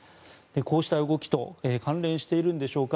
こうした動きと関連しているんでしょうか。